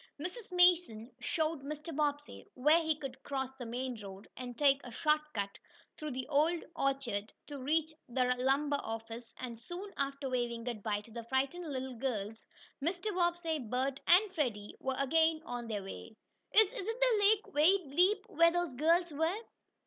Mrs. Mason showed Mr. Bobbsey where he could cross the main road, and take a short cut through an old orchard, to reach the lumber office, and soon, after waving good bye to the frightened little girls, Mr. Bobbsey, Bert and Freddie were again on their way. "Is is the lake very deep where those girls were?"